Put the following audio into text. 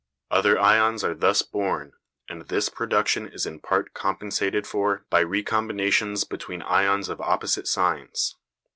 Other ions are thus born, and this production is in part compensated for by recombinations between ions of opposite signs.